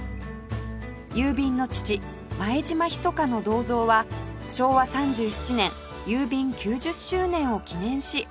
郵便の父前島密の銅像は昭和３７年郵便９０周年を記念し置かれたそうです